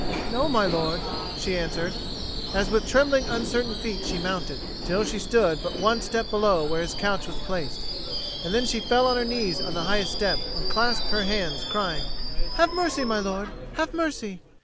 "No, my lord," she answered, as with trembling uncertain feet she mounted, till she stood but one step below where his couch was placed; and then she fell on her knees on the highest step and clasped her hands, crying, "Have mercy, my lord, have mercy!